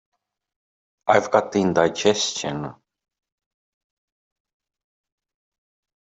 I've got indigestion.